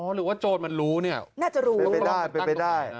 อ๋อหรือว่าโจทย์มันรู้เนี่ยน่าจะรู้ไปได้